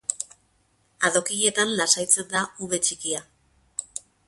Adokinetan lasaitzen da ume txikia.